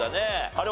あれ？